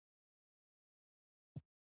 مخالفان قانع کاندي.